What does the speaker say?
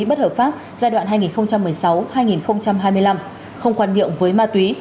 bất hợp pháp giai đoạn hai nghìn một mươi sáu hai nghìn hai mươi năm không khoan nhượng với ma túy